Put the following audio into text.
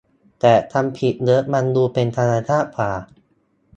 แต่คำผิดเยอะมันดูเป็นธรรมชาติกว่า